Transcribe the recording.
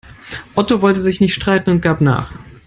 Otto wollte sich nicht streiten und gab nach.